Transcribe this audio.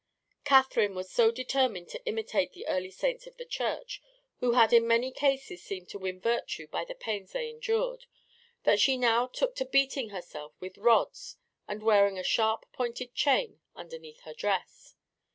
Catherine was so determined to imitate the early saints of the Church, who had in many cases seemed to win virtue by the pains they endured, that she now took to beating herself with rods and wearing a sharp pointed chain underneath her dress.